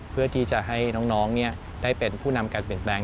เพื่อที่จะให้น้องได้เป็นผู้นำการเปลี่ยนแปลง